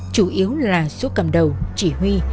chủ yếu là số cầm đầu chỉ huy